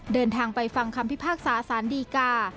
เดินทางไปฟังคำพิพากษาสารดีกา